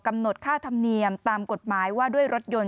กำหนดค่าธรรมเนียมตามกฎหมายว่าด้วยรถยนต์